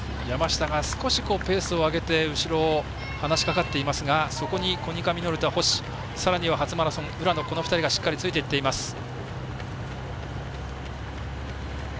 山下が少しペースを上げて後ろを離しかかっていますがそこにコニカミノルタ、星初マラソン、浦野この２人がしっかりついていっています。